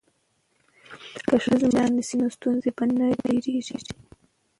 که ښځې مشرانې شي نو ستونزې به نه ډیریږي.